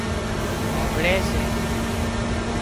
هانمڀۯي سي